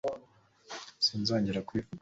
sinzongera kubivuga